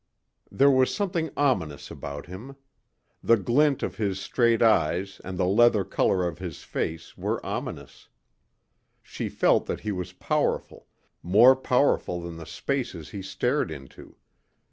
There was something ominous about him. The glint of his straight eyes and the leather color of his face were ominous. She felt that he was powerful, more powerful than the spaces he stared into.